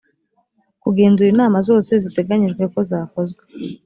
kugenzura inama zose ziteganyijwe ko zakozwe